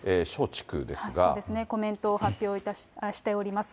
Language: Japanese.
そうですね、コメントを発表しております。